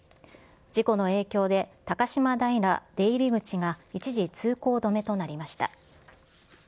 事故の影響で高島平出入り口が一時、通行止めとなりました。